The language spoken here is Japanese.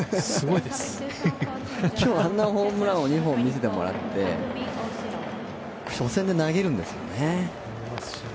今日、あんなホームランを２本見せてもらって初戦で投げるんですよね。